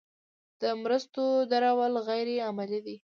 د مرستو درول غیر عملي دي.